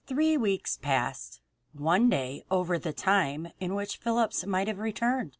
Three weeks passed one day over the time in which Phillips might have returned.